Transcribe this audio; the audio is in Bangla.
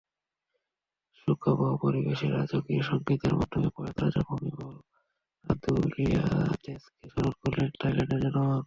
শোকাবহ পরিবেশে রাজকীয় সংগীতের মাধ্যমে প্রয়াত রাজা ভুমিবল আদুলিয়াদেজকে স্মরণ করলেন থাইল্যান্ডের জনগণ।